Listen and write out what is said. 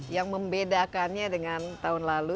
yang membedakannya dengan tahun lalu